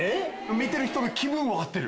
見てる人の気分は合ってる。